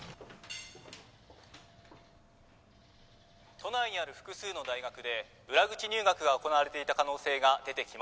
「都内にある複数の大学で裏口入学が行われていた可能性が出てきました」